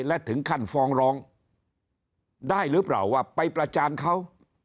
และถึงขั้นฟ้องร้องได้หรือเปล่าว่าไปประจานเขา